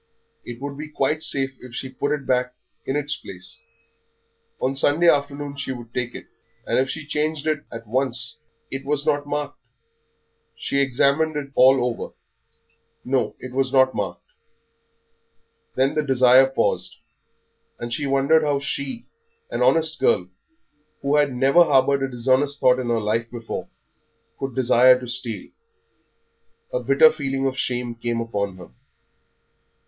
It would be quite safe if she put it back in its place; on Sunday afternoon she would take it, and if she changed it at once It was not marked. She examined it all over. No, it was not marked. Then the desire paused, and she wondered how she, an honest girl, who had never harboured a dishonest thought in her life before, could desire to steal; a bitter feeling of shame came upon her.